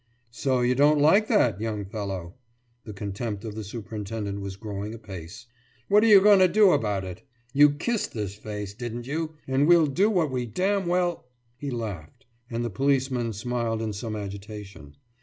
»So you don't like that, young fellow?« The contempt of the superintendent was growing apace. »What are you going to do about it? You kissed this face, didn't you, and we'll do what we damn well....« He laughed, and the policeman smiled in some agitation.